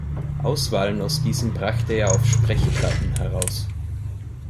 Auswahlen aus diesen brachte er auf Sprechplatten heraus.